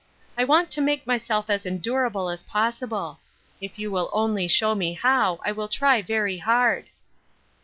I want to make myself as endurable as possible. If you will only show me how I will try very hard."